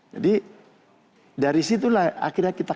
jadi dari situlah akhirnya kita